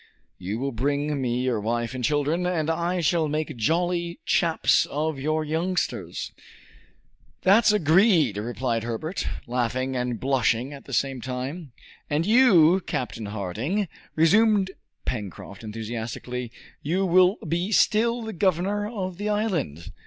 You will bring me your wife and children, and I shall make jolly chaps of your youngsters!" "That's agreed," replied Herbert, laughing and blushing at the same time. "And you, Captain Harding," resumed Pencroft enthusiastically, "you will be still the governor of the island!